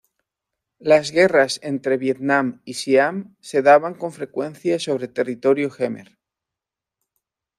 Las guerras entre Vietnam y Siam se daban con frecuencia sobre territorio jemer.